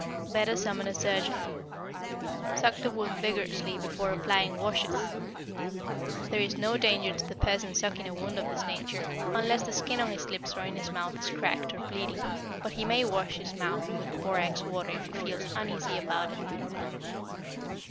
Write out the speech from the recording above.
Better summon a surgeon. Suck the wound vigorously before applying washes. There is no danger to the person sucking a wound of this nature, unless the skin on his lips or in his mouth is cracked or bleeding, but he may wash his mouth with borax water if he feels uneasy about it.